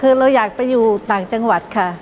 คือเราอยากไปอยู่ต่างจังหวัดค่ะ